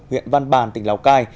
huyện văn bàn tỉnh lào cai